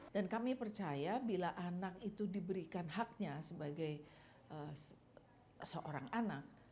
dan kami percaya bila anak itu diberikan haknya sebagai seorang anak